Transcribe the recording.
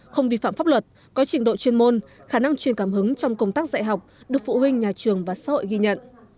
không vi phạm pháp luật có trình độ chuyên môn khả năng chuyên cảm hứng trong công tác dạy học được phụ huynh nhà trường và xã hội ghi nhận